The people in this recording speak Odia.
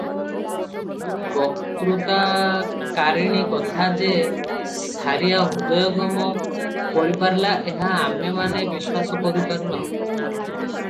ବତ୍କୃତାକାରିଣୀ କଥା ଯେ ସାରିଆ ହୃଦୟଙ୍ଗମ କରିପାରିଲା, ଏହା ଆମେମାନେ ବିଶ୍ୱାସ କରିପାରୁ ନାହୁଁ ।